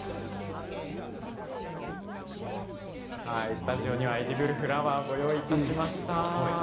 スタジオにはエディブルフラワーをご用意しました。